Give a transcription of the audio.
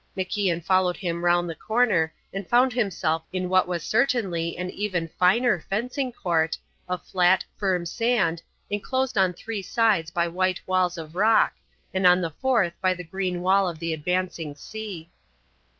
MacIan followed him round the corner and found himself in what was certainly an even finer fencing court, of flat, firm sand, enclosed on three sides by white walls of rock, and on the fourth by the green wall of the advancing sea.